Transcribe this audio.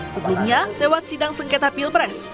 sebelumnya lewat sidang sengketa pilpres